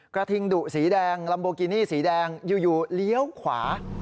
กระทิงดุสีแดงลัมโบกินี่สีแดงอยู่เลี้ยวขวา